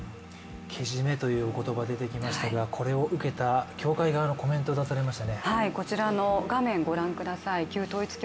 けじめという言葉が出てきましたが、これを受けた教会側のコメント出されました。